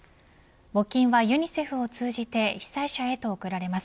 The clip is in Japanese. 募金はユニセフを通じて被災者へと送られます。